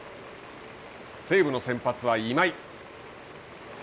西武の先発は今井。